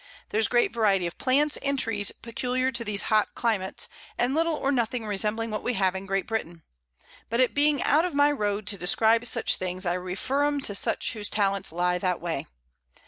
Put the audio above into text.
There's great Variety of Plants and Trees peculiar to these hot Climates, and little or nothing resembling what we have in Great Britain; but it being out of my Road to describe such things, I refer 'em to such whose Talents lie that way.